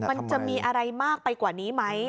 มันจะมีอะไรมากไปกว่านี้ไหม